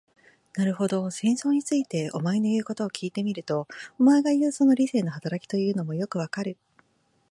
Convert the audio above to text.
なるほど、戦争について、お前の言うことを聞いてみると、お前がいう、その理性の働きというものもよくわかる。